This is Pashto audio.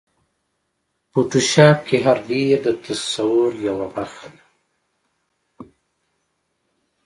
فوټوشاپ کې هر لېیر د تصور یوه برخه ده.